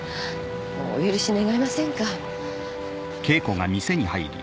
もうお許し願えませんか？